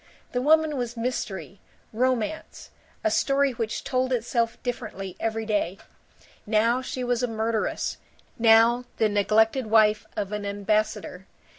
The woman was mystery, romance, a story which told itself differently every day; now she was a murderess, now the neglected wife of an ambassador.